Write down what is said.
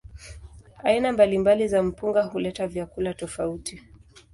Aina mbalimbali za mpunga huleta vyakula tofauti.